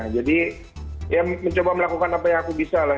jadi ya mencoba melakukan apa yang aku bisa